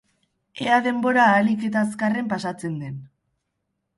Ea denbora ahalik eta azkarren pasatzen den.